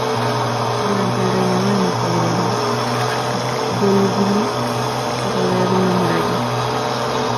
Durante el reinado de Marco Aurelio, Volubilis se rodea de una muralla.